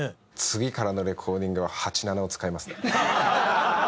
次からのレコーディングは８７を使いますね。